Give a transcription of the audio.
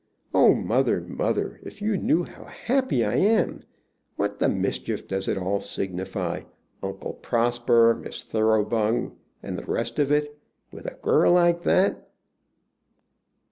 Oh, mother, mother, if you knew how happy I am! What the mischief does it all signify, Uncle Prosper, Miss Thoroughbung, and the rest of it, with a girl like that?"